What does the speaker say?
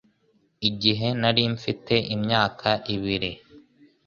igihe nari mfite imyaka ibiri,